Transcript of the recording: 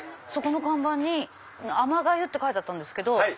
そこの看板に海女粥って書いてあったんですけど。